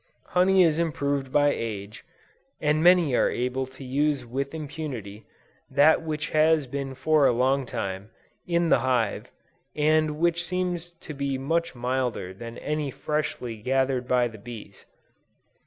Honey is improved by age, and many are able to use with impunity, that which has been for a long time, in the hive, and which seems to be much milder than any freshly gathered by the bees.